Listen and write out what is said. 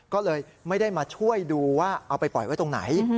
ก็เลยไม่ได้มาช่วยดูว่าเอาไปปล่อยไว้ตรงไหน